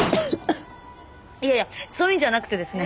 いやいやそういうんじゃなくてですね。